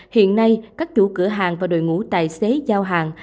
hiện nay các chủ cửa hàng và đội ngũ tài xế giao hàng